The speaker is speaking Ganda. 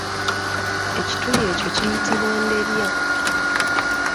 Ekituli ekyo kiyitibwa nderya.